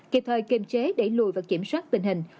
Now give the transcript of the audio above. kịp thời kiềm chế đẩy lùi và kiểm soát tình hình